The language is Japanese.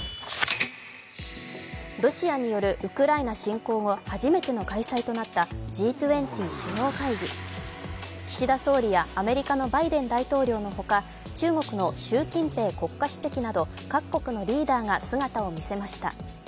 ロシアによるウクライナ侵攻後、初めての開催となったＧ２０首脳会議岸田総理やアメリカのバイデン大統領のほか、中国の習近平国家主席など各国のリーダーが姿を見せました。